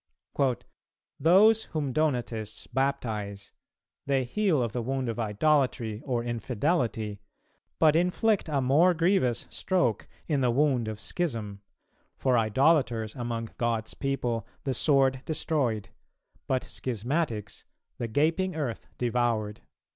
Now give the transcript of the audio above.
"Those whom Donatists baptize, they heal of the wound of idolatry or infidelity, but inflict a more grievous stroke in the wound of schism; for idolaters among God's people the sword destroyed, but schismatics the gaping earth devoured."